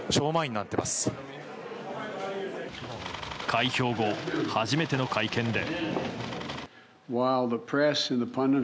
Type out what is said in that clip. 開票後初めての会見で。